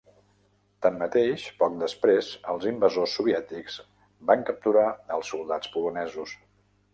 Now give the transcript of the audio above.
Tanmateix, poc després els invasors soviètics van capturar els soldats polonesos.